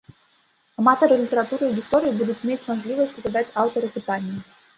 Аматары літаратуры і гісторыі будуць мець мажлівасць задаць аўтару пытанні.